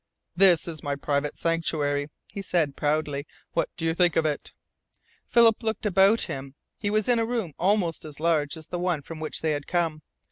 "This is my private sanctuary," he said proudly. "What do you think of it?" Philip looked about him. He was in a room almost as large as the one from which they had come.